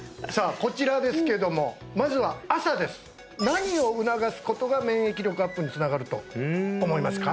こちらですけどもまずは朝です何を促すことが免疫力アップにつながると思いますか？